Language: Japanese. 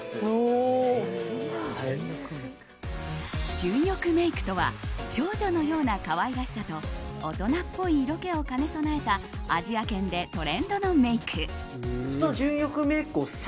純欲メイクとは少女のような可愛らしさと大人っぽい色気を兼ね備えたアジア圏でトレンドのメイク。